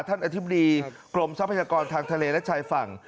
อธิบดีกรมทรัพยากรทางทะเลและชายฝั่ง